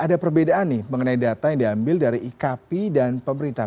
ada perbedaan mengenai data yang diambil dari ikp dan pemerintah